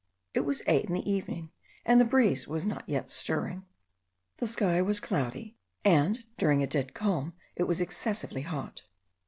It was eight in the evening, and the breeze was not yet stirring. The sky was cloudy; and during a dead calm it was excessively hot.